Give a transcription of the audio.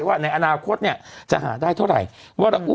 ว่าในอนาคตจะหาได้เท่าไหร่